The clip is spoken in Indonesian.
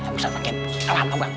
eh ustad makin lama pak